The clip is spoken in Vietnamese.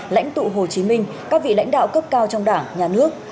lãnh tụ hồ chí minh các vị lãnh đạo cấp cao trong đảng nhà nước